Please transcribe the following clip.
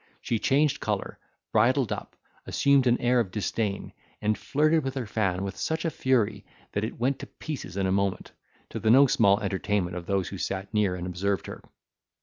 She changed colour, bridled up, assumed an air of disdain, and flirted her fan with such a fury, that it went to pieces in a moment, to the no small entertainment of those who sat near and observed her.